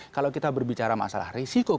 kalau kita berbicara masalah risiko